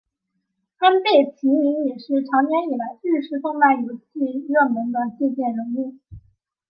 安倍晴明也是长年以来日式动漫游戏热门的借鉴人物。